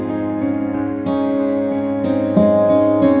aku mau ke sana